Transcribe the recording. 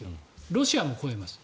ロシアも超えます。